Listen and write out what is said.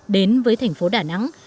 đến với thành phố đà nẵng